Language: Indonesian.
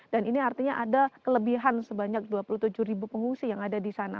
dan ini artinya ada kelebihan sebanyak dua puluh tujuh pengungsi yang ada di sana